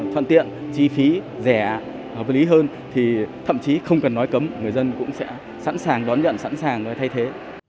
thuận tiện chi phí rẻ hợp lý hơn thì thậm chí không cần nói cấm người dân cũng sẽ sẵn sàng đón nhận sẵn sàng thay thế